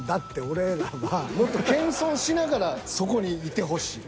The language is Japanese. もっと謙遜しながらそこにいてほしい。